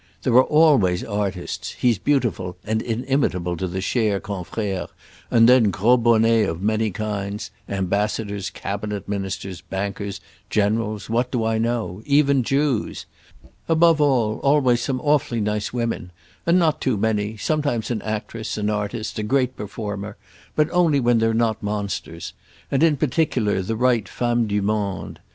There are always artists—he's beautiful and inimitable to the cher confrère; and then gros bonnets of many kinds—ambassadors, cabinet ministers, bankers, generals, what do I know? even Jews. Above all always some awfully nice women—and not too many; sometimes an actress, an artist, a great performer—but only when they're not monsters; and in particular the right femmes du monde.